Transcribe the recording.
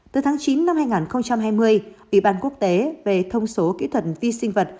từ tháng chín năm hai nghìn hai mươi ủy ban quốc tế về thông số kỹ thuật vi sinh vật